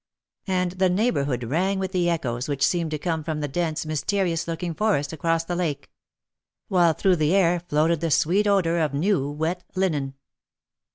And the neighbourhood rang with the echoes which seemed to come from the dense, mysterious looking forest across the lake. While through the air floated the sweet odour of new wet linen.